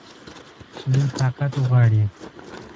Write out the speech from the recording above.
لوی طاقت غواړي.